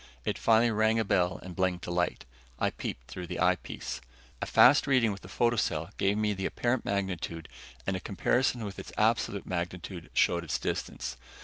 It finally rang a bell and blinked a light. I peeped through the eyepiece. A fast reading with the photocell gave me the apparent magnitude and a comparison with its absolute magnitude showed its distance.